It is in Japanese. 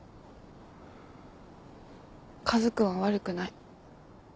カズくんは悪くない。